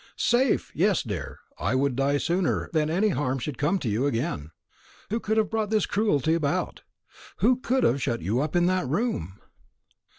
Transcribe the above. "Safe! yes, dear. I would die sooner than any harm should come to you again. Who could have brought this cruelty about? who could have shut you up in that room?"